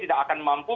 tidak akan mampu